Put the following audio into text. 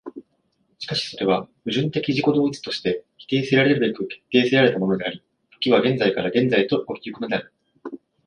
しかしそれは矛盾的自己同一として否定せられるべく決定せられたものであり、時は現在から現在へと動き行くのである。